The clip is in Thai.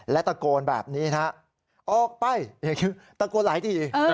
และตะโกนแบบนี้นะออกไปอย่างนี้ตะโกนหลายที